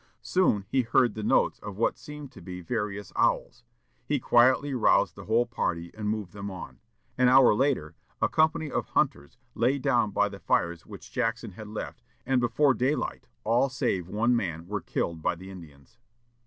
Soon he heard the notes of what seemed to be various owls! He quietly roused the whole party and moved them on. An hour later, a company of hunters lay down by the fires which Jackson had left, and before daylight all save one man were killed by the Indians.